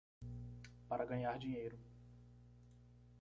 Para ganhar dinheiro